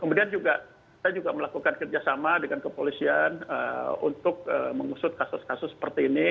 kemudian kita juga melakukan kerjasama dengan kepolisian untuk mengusut kasus kasus seperti ini